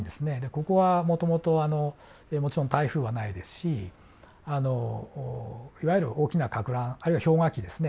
ここはもともともちろん台風はないですしいわゆる大きなかく乱あるいは氷河期ですね